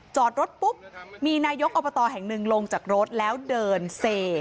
จอดรถปุ๊บมีนายกอบตแห่งหนึ่งลงจากรถแล้วเดินเส